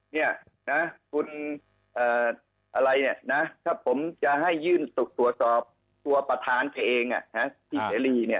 เนี่ยนะคุณอะไรเนี่ยนะถ้าผมจะให้ยื่นตรวจสอบตัวประธานแกเองที่เสรีเนี่ย